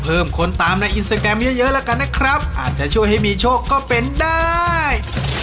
เอากลับบ้านไปเลย